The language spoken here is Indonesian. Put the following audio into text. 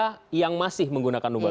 negara yang masih menggunakan lumba lumba